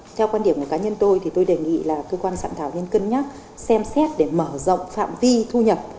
theo quan điểm của cá nhân tôi thì tôi đề nghị là cơ quan soạn thảo nên cân nhắc xem xét để mở rộng phạm vi thu nhập